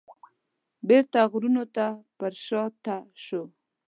بیرته غرونو ته پرشاته شو.